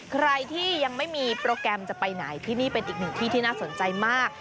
ใครที่ยังไม่มีโปรแกรมจะไปไหนที่นี่เป็นอีกหนึ่งที่ที่น่าสนใจมาก